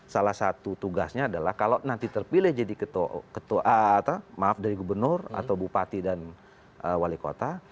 salah satu tugasnya adalah kalau nanti terpilih jadi maaf dari gubernur atau bupati dan wali kota